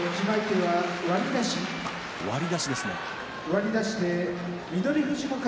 割り出しですね。